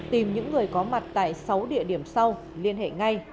tìm những người có mặt tại sáu địa điểm sau liên hệ ngay